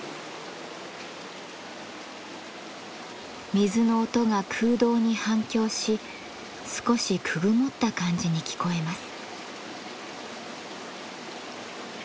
水の音が空洞に反響し少しくぐもった感じに聞こえます。